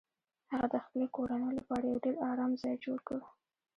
هغه د خپلې کورنۍ لپاره یو ډیر ارام ځای جوړ کړ